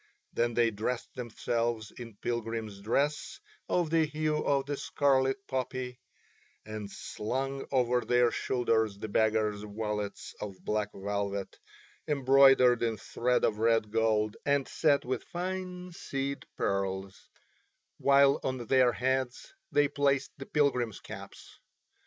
Then they dressed themselves in pilgrims' dress of the hue of the scarlet poppy, and slung over their shoulders the beggars' wallets of black velvet embroidered in thread of red gold and set with fine seed pearls, while on their heads they placed the pilgrims' caps.